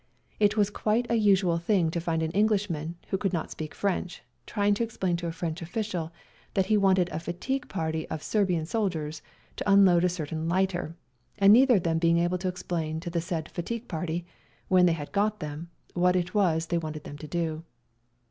It was quite a usual thing to find an Englishman, who could not speak French, trying to explain to a French official that he wanted a fatigue party of Serbian soldiers to unload a certain lighter, and neither of them being able to explain to the said fatigue party, when they had got them, what it was they wanted them to do.